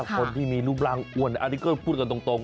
คนที่มีรูปรางอ้วนพูดกันตรง